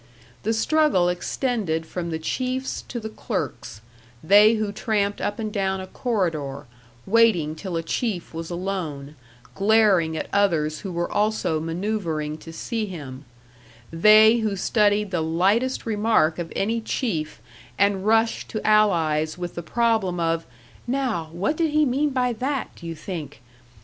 The struggle extended from the chiefs to the clerks; they who tramped up and down a corridor, waiting till a chief was alone, glaring at others who were also manoeuvering to see him; they who studied the lightest remark of any chief and rushed to allies with the problem of, "Now, what did he mean by that, do you think?"...